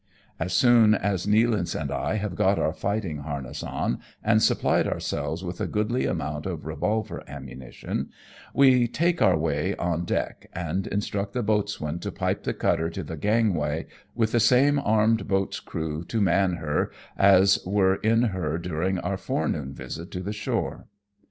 As soon as Nealance and I have got our fighting harness on, and supplied ourselves with a goodly amount of revolver ammunition, we take our way on deck, and instruct the boatswain to pipe the cutter to the gangway with the same armed boat's crew to man her as were in her during our forenoon visit to the shore.